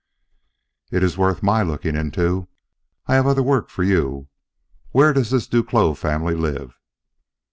"It is worth my looking into. I have other work for you. Where does this Duclos family live?"